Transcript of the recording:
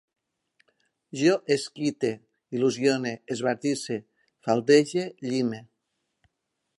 Jo esquite, il·lusione, esbardisse, faldege, llime